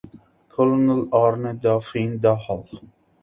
Colonel Arne Dagfin Dahl.